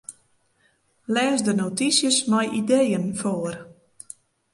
Lês de notysjes mei ideeën foar.